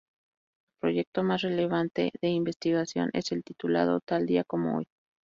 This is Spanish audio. El proyecto más relevante de investigación es el titulado "Tal día como hoy".